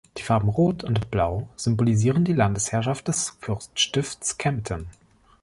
Die Farben Rot und Blau symbolisieren die Landesherrschaft des Fürststifts Kempten.